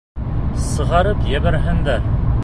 Сығарып ебәрһендәр!